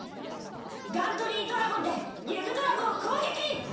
ガントリー・ドラゴンでユグドラゴを攻撃！